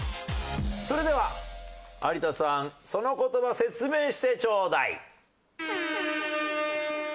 それでは有田さんその言葉説明してチョーダイ！